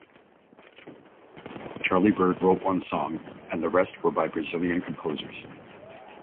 Charlie Byrd wrote one song, and the rest were by Brazilian composers.